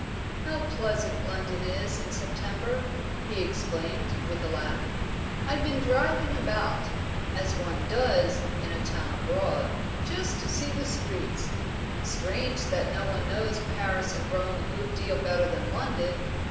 "How pleasant London is in September!" he exclaimed, with a laugh. "I've been driving about, as one does in a town abroad, just to see the streets. Strange that one knows Paris and Rome a good deal better than London.